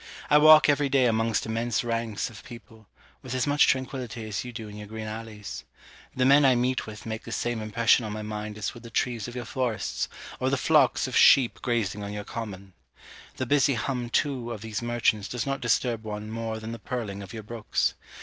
I walk every day amongst immense ranks of people, with as much tranquillity as you do in your green alleys. The men I meet with make the same impression on my mind as would the trees of your forests, or the flocks of sheep grazing on your common. The busy hum too of these merchants does not disturb one more than the purling of your brooks.